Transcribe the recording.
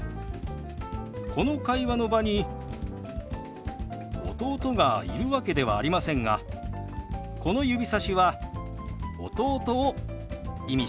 この会話の場に弟がいるわけではありませんがこの指さしは弟を意味しています。